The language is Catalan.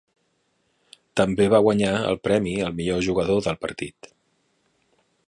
També va guanyar el premi al millor jugador del partit.